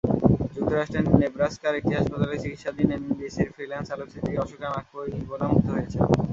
যুক্তরাষ্ট্রের নেব্রাস্কার একটি হাসপাতালে চিকিৎসাধীন এনবিসির ফ্রিল্যান্স আলোকচিত্রী অশোকা মাকপো ইবোলামুক্ত হয়েছেন।